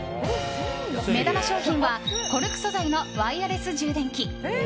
目玉商品はコルク素材のワイヤレス充電器。